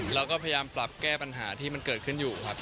เราก็พยายามปรับแก้ปัญหาที่มันเกิดขึ้นอยู่ครับ